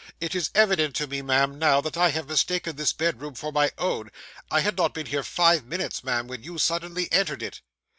It is evident to me, ma'am, now, that I have mistaken this bedroom for my own. I had not been here five minutes, ma'am, when you suddenly entered it.